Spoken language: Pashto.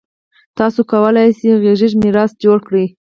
تاسو کولای شئ غږیز میراث جوړ کړئ.